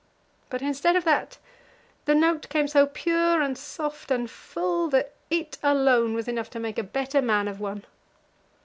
But instead of that, the note came so pure and soft and full that it alone was enough to make a better man of one."